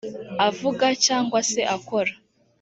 avuga cyangwa se akora